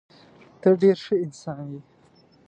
ته ډېر ښه انسان یې.